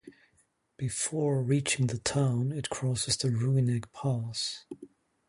Before reaching the town, it crosses the Rooinek Pass.